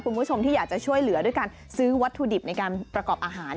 คุณผู้ชมที่อยากจะช่วยเหลือด้วยการซื้อวัตถุดิบในการประกอบอาหาร